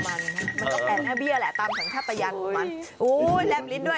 มันก็แปลงให้เบี้ยแหละตามถึงท่าตายันของมันอุ้ยโอ้ยแลบลิ้นด้วย